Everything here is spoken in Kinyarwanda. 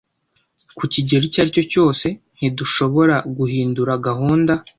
Ku kigero icyo aricyo cyose, ntidushobora guhindura gahunda.